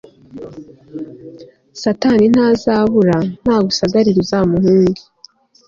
satani ntazabura nagusagarira uzamuhunge